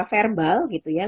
verbal gitu ya